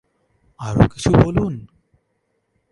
আরো কিছু বলুন।